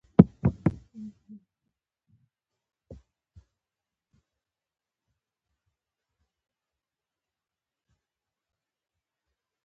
د پخوانیو لاسي صنایعو اثار لیدل شوي دي.